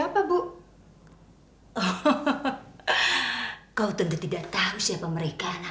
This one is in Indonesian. sekarang kamu siapkan